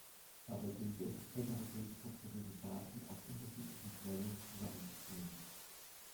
Dabei gilt es, heterogen strukturierte Daten aus unterschiedlichen Quellen zusammenzuführen.